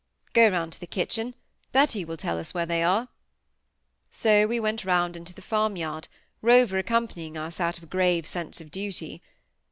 "Go round to the kitchen. Betty will tell us where they are." So we went round into the farmyard, Rover accompanying us out of a grave sense of duty.